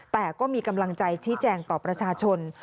แต่ก็มีกำลังใจชี้แจงต่อประชาชน